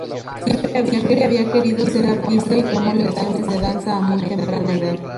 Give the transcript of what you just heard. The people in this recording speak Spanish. Siempre había querido ser artista y tomó lecciones de danza a muy temprana edad.